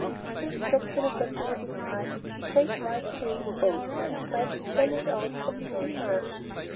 As Chris stepped to the deck over the side, the great white sails rose, spread, and bellied out from the three masts.